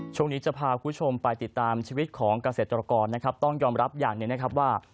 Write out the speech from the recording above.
ช่วงนี้จะพาคุณผู้ชมไปติดตามชีวิตของเกษตรกรนะครับต้องยอมรับอย่างหนึ่งนะครับว่า